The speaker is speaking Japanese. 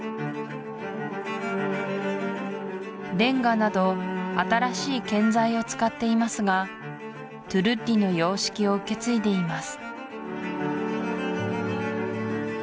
レンガなど新しい建材を使っていますがトゥルッリの様式を受け継いでいます